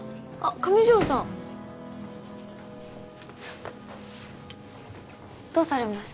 上条さんどうされました？